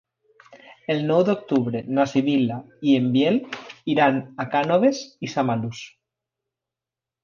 El nou d'octubre na Sibil·la i en Biel iran a Cànoves i Samalús.